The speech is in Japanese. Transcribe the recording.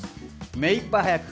目いっぱい速く。